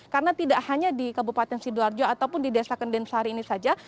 karena tidak hanya di kabupaten sidoarjo ataupun di desa kendensari ini saja